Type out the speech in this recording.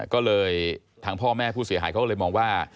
ก็เลยทางพ่อแม่ผู้เสียหายเขาก็เลยมองว่า